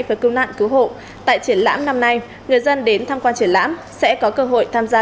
và cứu nạn cứu hộ tại triển lãm năm nay người dân đến tham quan triển lãm sẽ có cơ hội tham gia